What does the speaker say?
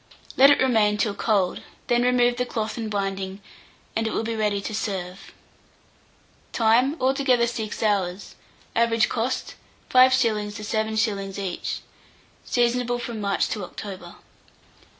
Let it remain till cold; then remove the cloth and binding, and it will be ready to serve. Time. Altogether 6 hours. Average cost, 5s. to 7s. each. Seasonable from March to October.